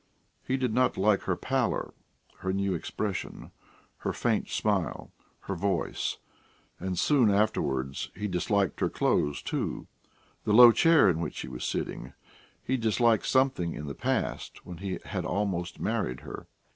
He did not like her pallor, her new expression, her faint smile, her voice, and soon afterwards he disliked her clothes, too, the low chair in which she was sitting; he disliked something in the past when he had almost married her.